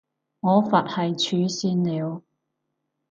我佛系儲算了